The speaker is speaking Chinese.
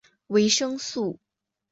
维生素。